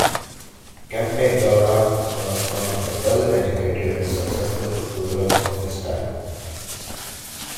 Kempe Gowda was one of the well educated and successful rulers of his time.